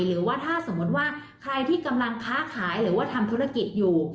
หรือว่าถ้าสมมติว่าใครที่กำลังค้าขายหรือว่าทำธุรกิจอยู่